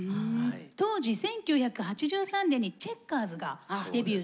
当時１９８３年にチェッカーズがデビューしてですね